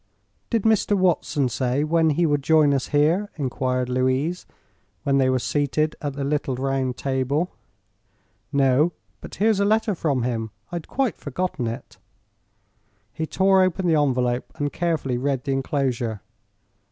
"Did Mr. Watson say when he would join us here?" enquired Louise, when they were seated at the little round table. "No; but here's a letter from him. I'd quite forgotten it." He tore open the envelope and carefully read the enclosure.